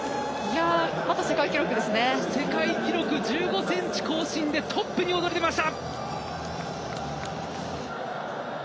世界記録１５センチ更新でトップに躍り出ました！